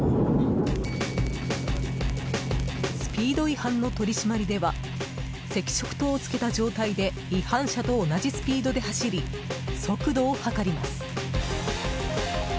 スピード違反の取り締まりでは赤色灯をつけた状態で違反車と同じスピードで走り速度を測ります。